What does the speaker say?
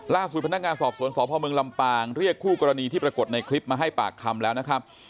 ล่าสุดพนักงานสอบสวนสพเมืองลำปางเรียกคู่กรณีที่ปรากฏในคลิปมาให้ปากคำแล้วนะครับ